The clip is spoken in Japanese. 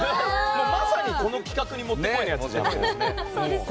まさにこの企画にもってこいのやつですね。